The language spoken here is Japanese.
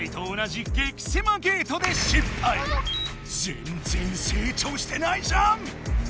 ぜんぜん成長してないじゃん！